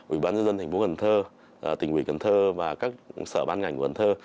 ủy ban nhân dân thành phố cần thơ tỉnh ủy cần thơ và các sở ban ngành của cần thơ